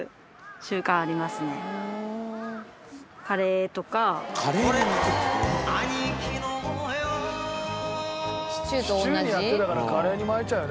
シチューにやってたからカレーに巻いちゃうよねこれ。